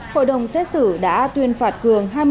hội đồng xét xử đã tuyên phạt cường